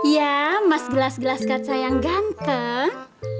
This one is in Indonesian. ya mas gelas gelas kaca yang ganteng